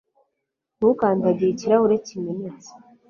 Ntukandagire ikirahure kimenetse